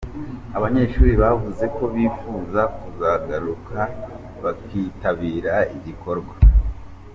Abanyeshuri bavuze ko bifuza kuzagaruka bakitabira igikorwa.